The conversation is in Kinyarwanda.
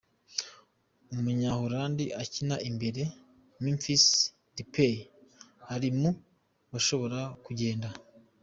Umunya Hollandi akina imbere Memphis Depay ari mu bashobora kugenda.